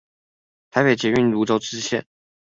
臺北捷運蘆洲支線